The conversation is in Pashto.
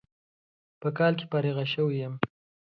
په کال کې فارغ شوى يم.